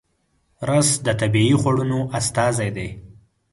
رس د طبیعي خوړنو استازی دی